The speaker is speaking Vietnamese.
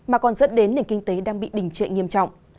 mà còn dẫn đến nền kinh tế đang bị đình trệ nghiêm trọng